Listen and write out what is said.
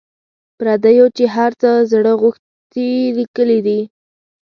پردیو چي هر څه زړه غوښتي لیکلي دي.